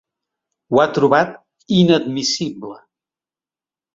Ho ha trobat ‘inadmissible’.